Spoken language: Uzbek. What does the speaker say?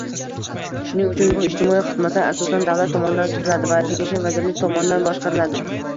Shuning uchun, bu ijtimoiy xizmatlar, asosan, davlat tomonidan tuziladi va tegishli vazirlik tomonidan boshqariladi